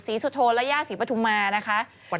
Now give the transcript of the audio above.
สุโธนและย่าศรีปฐุมานะคะ